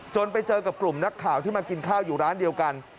ไปเจอกับกลุ่มนักข่าวที่มากินข้าวอยู่ร้านเดียวกัน